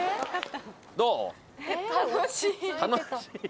どう？